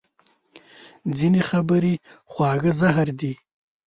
ځینې خبرې خواږه زهر دي